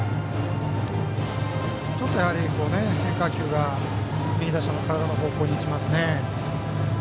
ちょっと変化球が右打者の体の方向に行きますね。